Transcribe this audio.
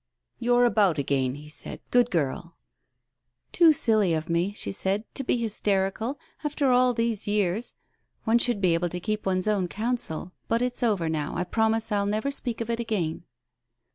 "You're about again," he said, "good girl 1 " "Too silly of me," she said, "to be hysterical ! After all these years ! One should be able to keep one's own counsel. But it is over now, I promise I will never speak of it again."